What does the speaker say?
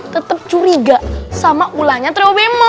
tetep curiga sama ulahnya terowemo